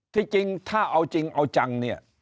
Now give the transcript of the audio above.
ที่จริงถ้าเอาจริงเอาจัง